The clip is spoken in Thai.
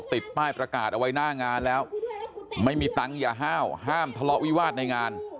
ติดป้ายประกาศเอาไว้หน้างานแล้วไม่มีตังค์อย่าห้าวห้ามทะเลาะวิวาสในงาน